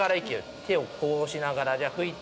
手をこうしながらじゃあ、吹いて。